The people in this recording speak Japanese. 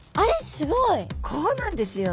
すごい。こうなんですよ。